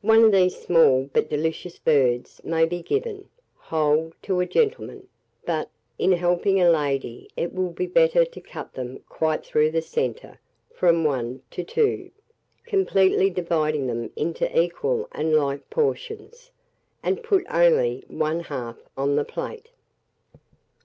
One of these small but delicious birds may be given, whole, to a gentleman; but, in helping a lady, it will be better to cut them quite through the centre, from 1 to 2, completely dividing them into equal and like portions, and put only one half on the plate.